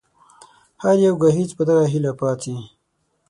هر يو ګهيځ په دغه هيله پاڅي